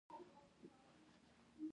نور واقعیات باید په ځیر وکتل شي.